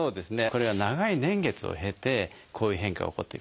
これは長い年月を経てこういう変化が起こっている。